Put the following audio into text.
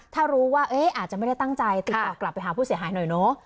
ถ้ารู้ว่าอาจจะไม่ได้ตั้งใจติดต่อกลับไปหาผู้เสียหายหน่อยเนอะ